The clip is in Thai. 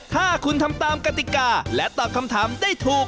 ถ้าคุณทำตามกติกาและตอบคำถามได้ถูก